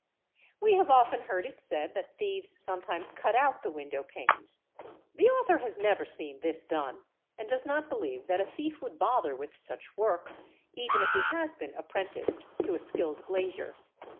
We have often heard it said that thieves sometimes cut out the window panes; the author has never seen this done and does not believe that a thief would bother with such work even if he has been apprenticed to a skilled glazier.